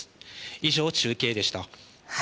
以上、中継でした。